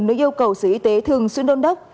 nơi yêu cầu sở y tế thường xuyên đôn đốc